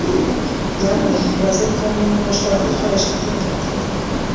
Nyamuneka ubaze Tom niba ashobora gukoresha indi minota mike